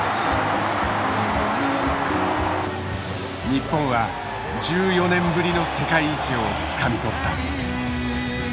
日本は１４年ぶりの世界一をつかみ取った。